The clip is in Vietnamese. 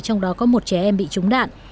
trong đó có một trẻ em bị trúng đạn